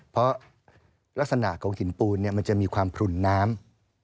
เพราะลักษณะของหินปูนมันจะมีความผลุ่นน้ำ